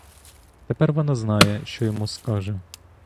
Тепер вона знає, що йому скаже.